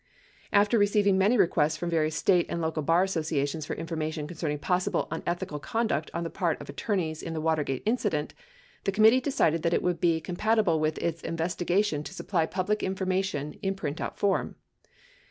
After receiving many requests from various State and local bar associations for information concerning possible unethical conduct on the part of attorneys in the Watergate incident, the committee decided that it would be compatible with its investigation to supply public information in printout form.